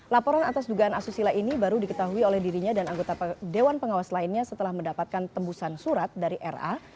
laporan atas dugaan asusila ini baru diketahui oleh dirinya dan anggota dewan pengawas lainnya setelah mendapatkan tembusan surat dari ra